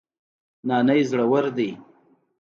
نانی زړور دی